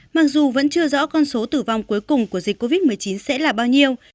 mặc dù vẫn chưa rõ con số tử vong cuối cùng của dịch covid một mươi chín sẽ là bao nhiêu